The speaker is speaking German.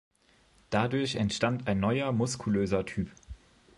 Dadurch entstand ein neuer, muskulöser Typ.